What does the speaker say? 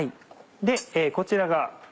でこちらが。